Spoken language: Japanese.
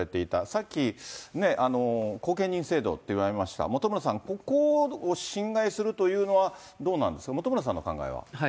さっき、後見人制度ってありました、本村さん、ここを侵害するというのは、どうなんですか、本村さんの考えは。